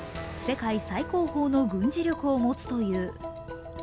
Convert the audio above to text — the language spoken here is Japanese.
世界最高峰の軍事力を持つという。